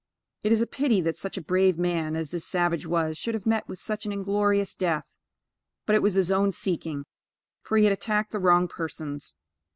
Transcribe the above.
It is a pity that such a brave man as this savage was, should have met with such an inglorious death; but, it was his own seeking, for he had attacked the wrong persons.